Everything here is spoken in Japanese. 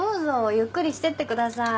ゆっくりしてってください。